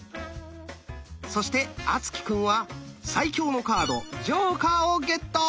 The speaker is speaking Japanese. そして敦貴くんは最強のカード「ジョーカー」をゲット！